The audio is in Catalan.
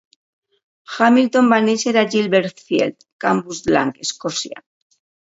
Hamilton va néixer a Gilbertfield, Cambuslang, Escòcia.